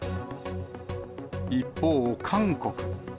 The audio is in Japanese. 一方、韓国。